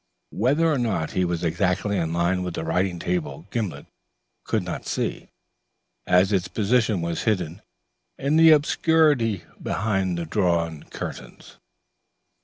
Whether or not he was exactly in line with the writing table Gimblet could not see, as its position was hidden in the obscurity behind the drawn curtains.